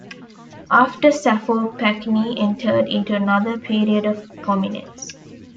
After "Saffo", Pacini entered into another period of prominence.